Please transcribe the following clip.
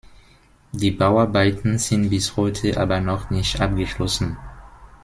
Die Bauarbeiten sind bis heute aber noch nicht abgeschlossen.